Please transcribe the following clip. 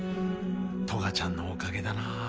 トガちゃんのおかげだなぁ。